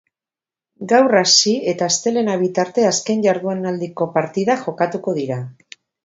Gaur hasi eta astelehena bitarte azken jardunaldiko partidak jokatuko dira.